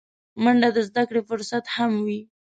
منډه د زدهکړې فرصت هم وي